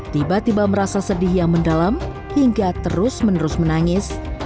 tiba tiba merasa sedih yang mendalam hingga terus menerus menangis